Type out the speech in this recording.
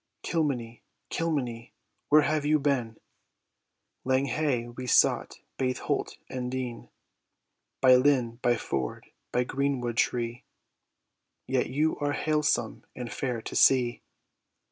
"Kilmeny, Kilmeny, where have you been? Lang hae we sought baith holt and dene; By linn, by ford, and green wood tree, Yet you are halesome and fair to see.